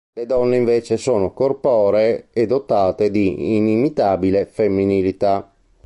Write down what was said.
Le donne invece sono corporee e dotate di inimitabile femminilità.